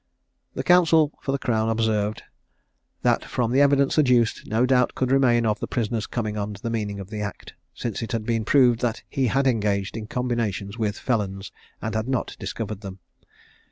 The counsel for the crown observed, that from the evidence adduced, no doubt could remain of the prisoner's coming under the meaning of the act, since it had been proved that he had engaged in combinations with felons, and had not discovered them.